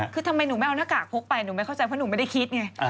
คือทำไมหนูไม่เอาหน้ากากพกไปหนูไม่เข้าใจเพราะหนูไม่ได้คิดไง